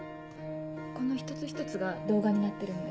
この一つ一つが動画になってるんで。